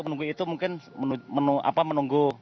menunggu itu mungkin menunggu